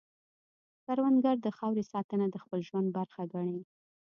کروندګر د خاورې ساتنه د خپل ژوند برخه ګڼي